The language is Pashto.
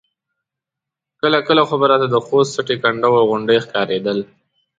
کله کله خو به راته د خوست سټې کنډاو غوندې ښکارېدل.